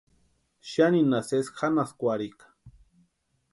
Xaninha sesi janhaskwarhika.